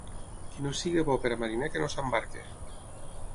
Qui no sigui bo per mariner que no s'embarqui.